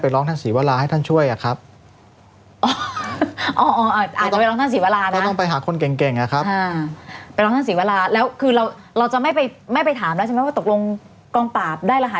ต้องต้องทำอะไรก่อนไปหาใครก่อนเอาไงฮะ